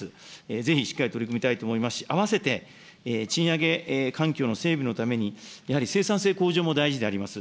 ぜひしっかり取り組みたいと思いますし、あわせて、賃上げ環境の整備のために、やはり生産性向上も大事であります。